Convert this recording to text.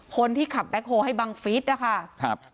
คนที่ขับแบ็คโฮลให้บังฟิศนะคะครับ